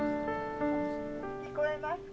「聞こえますか？」。